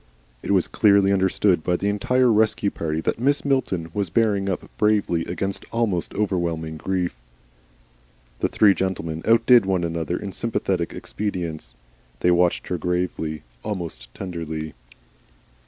It was clearly understood by the entire Rescue Party that Mrs. Milton was bearing up bravely against almost overwhelming grief. The three gentlemen outdid one another in sympathetic expedients; they watched her gravely almost tenderly.